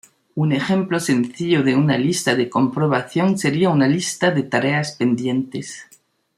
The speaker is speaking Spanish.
Un ejemplo sencillo de una lista de comprobación sería una lista de tareas pendientes.